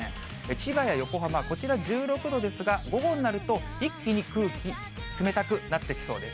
千葉や横浜、こちら１６度ですが、午後になると、一気に空気冷たくなってきそうです。